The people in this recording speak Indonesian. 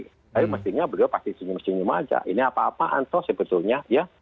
tapi mestinya beliau pasti senyum senyum aja ini apa apaan toh sebetulnya ya